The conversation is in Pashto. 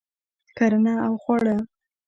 کرنه او خواړه